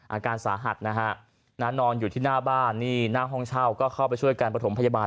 อาการสาหัสนะฮะนอนอยู่ที่หน้าบ้านนี่หน้าห้องเช่าก็เข้าไปช่วยการประถมพยาบาล